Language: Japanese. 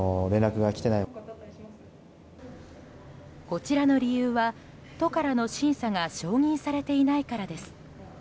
こちらの理由は都からの審査が承認されていないからです。